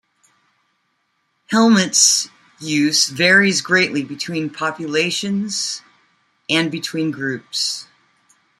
Helmets use varies greatly between populations and between groups.